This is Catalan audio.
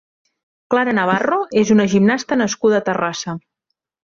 Clara Navarro és una gimnasta nascuda a Terrassa.